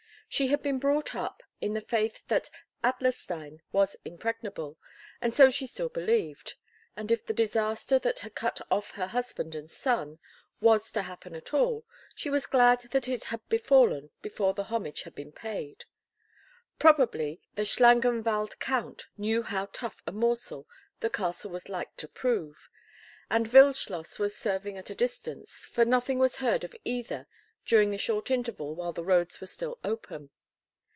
She had been brought up in the faith that Adlerstein was impregnable, and so she still believed; and, if the disaster that had cut off her husband and son was to happen at all, she was glad that it had befallen before the homage had been paid. Probably the Schlangenwald Count knew how tough a morsel the castle was like to prove, and Wildschloss was serving at a distance, for nothing was heard of either during the short interval while the roads were still open.